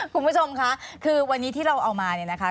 คุณผู้ชมค่ะคือวันนี้ที่เราเอามาเนี่ยนะคะ